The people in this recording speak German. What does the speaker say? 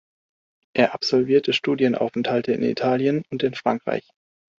Er absolvierte Studienaufenthalte in Italien und in Frankreich.